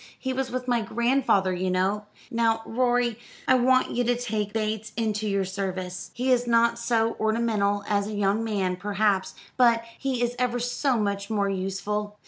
He was with my grandfather, you know. Now, Rorie, I want you to take Bates into your service. He is not so ornamental as a young man, perhaps; but he is ever so much more useful.